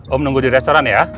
om nunggu di restoran ya